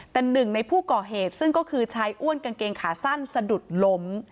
แต่หนึ่งในผู้ก่อเหตุซึ่งก็คือชายอ้วนกางเกงขาสั้นสะดุดล้ม